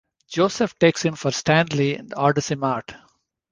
Joseph takes him for "Stanley" and orders him out.